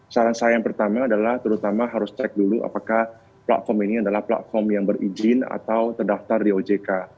saran saya yang pertama adalah terutama harus cek dulu apakah platform ini adalah platform yang berizin atau terdaftar di ojk